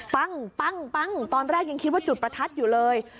ปั้งตอนแรกยังคิดว่าจุดประทัดอยู่เลย